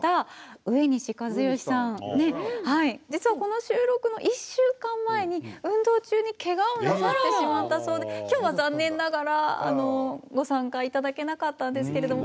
実はこの収録の１週間前に運動中にけがをなさってしまったそうで今日は残念ながらご参加いただけなかったんですけれども。